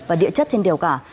và địa chất trên đèo cả